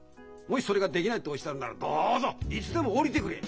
もしそれができないっておっしゃるんならどうぞいつでも降りてくれ！